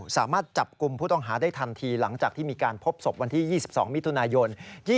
สามารถจับกลุ่มผู้ต้องหาได้ทันทีหลังจากที่มีการพบศพวันที่๒๒มิถุนายน